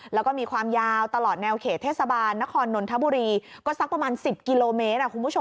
แล้วก็มีความยาวตลอดแนวเขตเทศบาลนครนนทบุรีก็สักประมาณ๑๐กิโลเมตรคุณผู้ชม